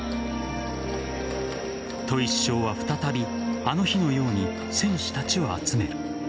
戸井主将は再び、あの日のように選手たちを集める。